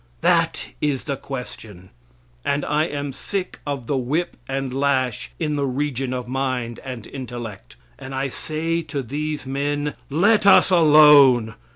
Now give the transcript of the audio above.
That is the question. And I am sick of the whip and lash in the region of mind and intellect. And I say to these men, "Let us alone.